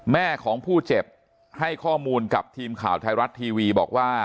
แม่ของผู้เจ็บให้ข้อมูลกับทีมข่าวไทยรัฐทีวีบอกว่า